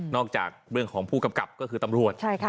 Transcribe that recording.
จากเรื่องของผู้กำกับก็คือตำรวจ